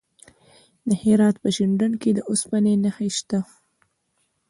د هرات په شینډنډ کې د اوسپنې نښې شته.